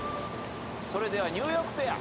それではニューヨークペア。